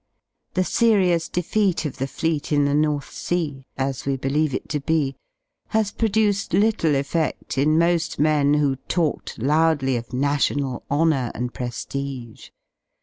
The serious defeat of the Fleet in the North Sea — as we believe it to be — has produced little effedl in moil men who talked loudly of national honour and pre^ige.